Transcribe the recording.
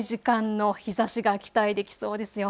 あすは長い時間の日ざしが期待できそうですよ。